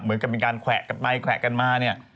เหมือนกับเป็นการแขวะกันไปแขวะกันมาเนี่ย